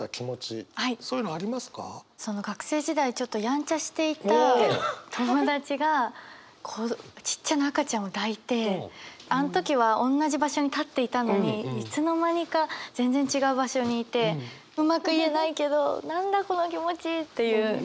学生時代ちょっとやんちゃしていた友達がちっちゃな赤ちゃんを抱いてあの時はおんなじ場所に立っていたのにいつの間にか全然違う場所にいてうまく言えないけど「何だこの気持ち」っていう。